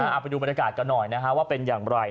เอาไปดูบรรยากาศกันหน่อยนะฮะว่าเป็นอย่างไร